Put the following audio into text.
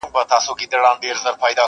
چي پوره یې کړه د خپل سپي ارمانونه،